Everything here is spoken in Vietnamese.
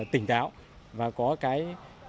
tỉnh táo và có cái